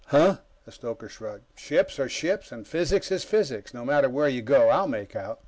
"Huh?" The stoker shrugged. "Ships are ships, and physics is physics, no matter where you go. I'll make out."